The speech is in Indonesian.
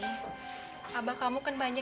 abah kamu kan banyak yang mengingatkan kamu